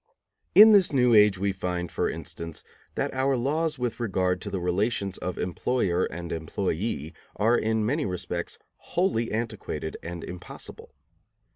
In this new age we find, for instance, that our laws with regard to the relations of employer and employee are in many respects wholly antiquated and impossible.